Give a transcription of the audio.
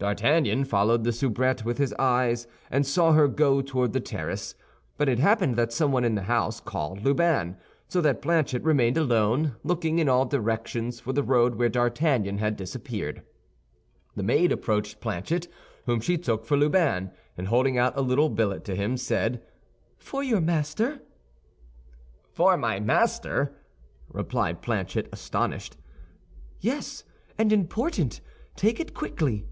D'Artagnan followed the soubrette with his eyes, and saw her go toward the terrace; but it happened that someone in the house called Lubin, so that Planchet remained alone, looking in all directions for the road where D'Artagnan had disappeared. The maid approached Planchet, whom she took for Lubin, and holding out a little billet to him said, "For your master." "For my master?" replied Planchet, astonished. "Yes, and important. Take it quickly."